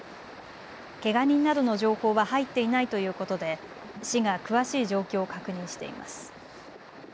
けが人などの情報は入っていないということで市が詳しい状況を確認しています。